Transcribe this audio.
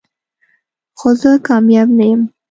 خو زه کامیاب نه یم .